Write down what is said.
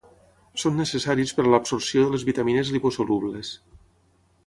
Són necessaris per a l'absorció de les vitamines liposolubles.